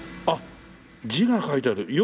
あっ字が書いてある。